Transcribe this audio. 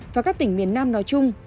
và các tỉnh miền nam nói chung